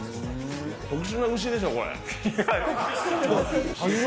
特殊な牛でしょ、これ。